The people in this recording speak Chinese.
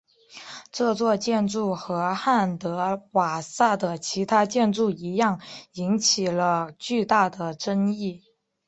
这座建筑和汉德瓦萨的其他建筑一样引起了巨大的争议。